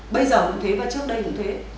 bây giờ cũng thế và trước đây cũng thế